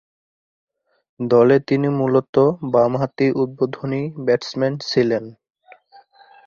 দলে তিনি মূলতঃ বামহাতি উদ্বোধনী ব্যাটসম্যান ছিলেন।